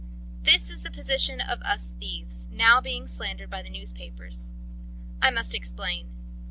"This is the position of us thieves, now being slandered by the newspapers. I must explain.